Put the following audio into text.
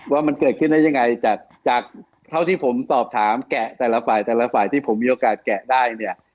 ว่ามันเกิดขึ้นได้ยังไงจากจากเท่าที่ผมสอบถามแกะแต่ละฝ่ายแต่ละฝ่ายที่ผมมีโอกาสแกะได้เนี่ย